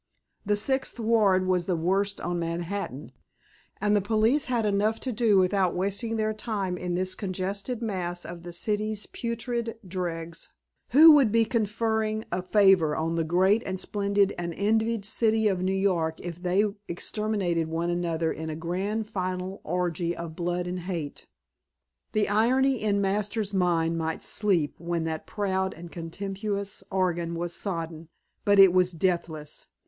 The Sixth Ward was the worst on Manhattan, and the police had enough to do without wasting their time in this congested mass of the city's putrid dregs; who would be conferring a favor on the great and splendid and envied City of New York if they exterminated one another in a grand final orgy of blood and hate. The irony in Masters' mind might sleep when that proud and contemptuous organ was sodden, but it was deathless.